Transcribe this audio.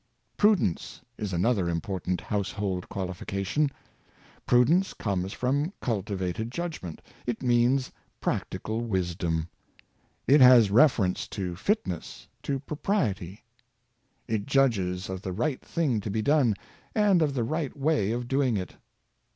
Prudence is another important nousehold qualifica tion. Prudence comes from cultivated judgment, it means practical wisdom. It has reference to fitness, to propriety. It judges of the right thing to be done, and of the right way of doing it.